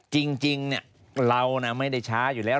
จริงเนี่ยเราน่ะไม่ได้ช้าอยู่แล้ว